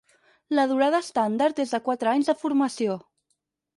La durada estàndard és de quatre anys de formació.